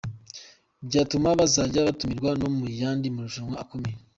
Byatuma bazajya batumirwa no mu yandi marushanwa akomeye.